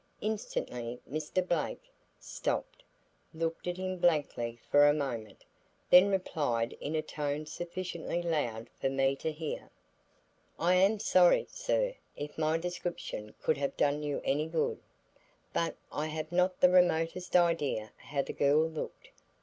Instantly Mr. Blake stopped, looked at him blankly for a moment, then replied in a tone sufficiently loud for me to hear: "I am sorry, sir, if my description could have done you any good, but I have not the remotest idea how the girl looked.